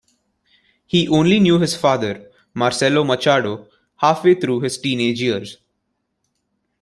He only knew his father, Marcello Machado, halfway through his teenage years.